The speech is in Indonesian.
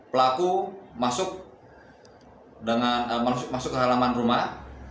pelaku masuk ke halaman rumah